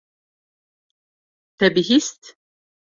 Te bihîst.